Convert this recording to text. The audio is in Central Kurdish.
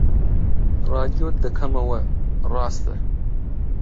ڕادیۆ دەکەمەوە، ڕاستە